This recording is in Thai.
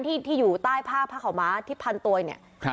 ที่อยู่ใต้ผ้าขาวม้าที่พันตัวเนี่ย